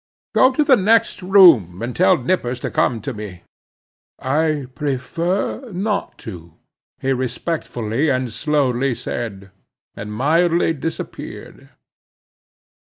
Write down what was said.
"Go to the next room, and tell Nippers to come to me." "I prefer not to," he respectfully and slowly said, and mildly disappeared.